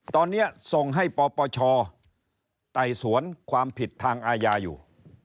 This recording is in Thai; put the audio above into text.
ตอนนี้ส่งให้ปปชไต่สวนความผิดทางอาญาอยู่